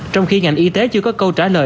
trong khi ngành y tế chưa có câu trả lời